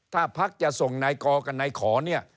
ถ้าภักดิ์จะส่งไหนก่อกันไหนขอเนี่ย